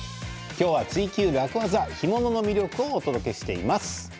今日は「ツイＱ楽ワザ」干物の魅力をお届けしています。